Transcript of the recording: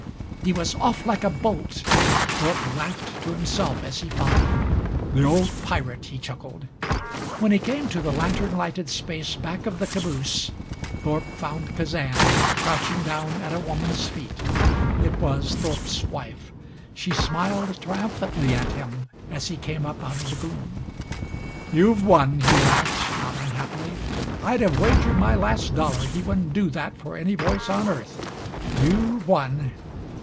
He was off like a bolt. Thorpe laughed to himself as he followed. "The old pirate!" he chuckled. When he came to the lantern lighted space back of the caboose, Thorpe found Kazan crouching down at a woman's feet. It was Thorpe's wife. She smiled triumphantly at him as he came up out of the gloom. "You've won!" he laughed, not unhappily. "I'd have wagered my last dollar he wouldn't do that for any voice on earth. You've won!